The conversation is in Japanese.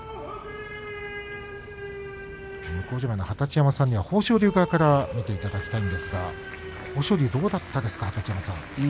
向正面の二十山さんには豊昇龍側から見ていただきたいんですがどうでしたか。